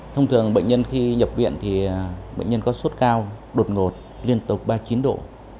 thông thường bệnh nhân khi nhập viện thì bệnh nhân có suốt cao đột ngột liên tục ba mươi chín độ